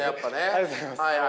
ありがとうございます。